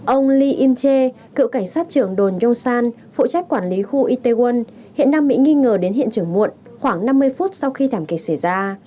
ông lee inche cựu cảnh sát trưởng đồn yongsan phụ trách quản lý khu itaewon hiện đang bị nghi ngờ đến hiện trường muộn khoảng năm mươi phút sau khi thảm kịch xảy ra